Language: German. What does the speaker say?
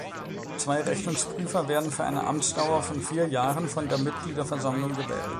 Zwei Rechnungsprüfer werden für eine Amtsdauer von vier Jahren von der Mitgliederversammlung gewählt.